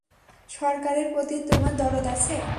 সরকারের প্রতি তোমার দরদ আছে?